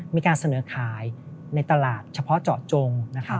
มีการเสนอขายในตลาดเฉพาะเจาะจง